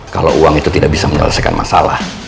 kalau uang itu tidak bisa menyelesaikan masalah